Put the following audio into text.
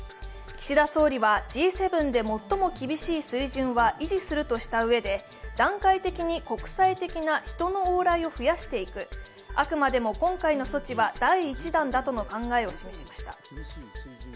岸田総理は、Ｇ７で最も厳しい水準は維持するとしたうえで段階的に国際的な人の往来を増やしていく、あくまでも今回の措置は第一弾だとの考えを示しました。